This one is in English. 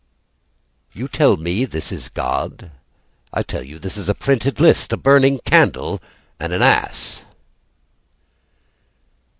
You tell me this is God? I tell you this is a printed list, A burning candle and an ass.